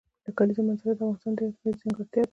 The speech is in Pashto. د کلیزو منظره د افغانستان یوه طبیعي ځانګړتیا ده.